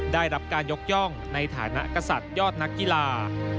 ได้รับการยกย่องในฐานะกษัตริย์ยอดนักกีฬา